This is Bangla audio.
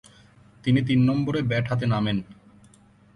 তিনি তিন নম্বরে ব্যাট হাতে নামেন।